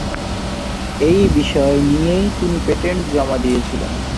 এই বিষয় নিয়েই তিনি পেটেন্ট জমা দিয়েছিলেন।